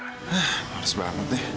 hah males banget ya